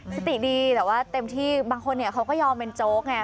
สติดีแต่ว่าเต็มที่บางคนเขาก็ยอมเป็นโจ๊กไง